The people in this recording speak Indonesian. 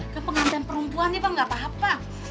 kan pengantin perempuan nih pak gak apa apa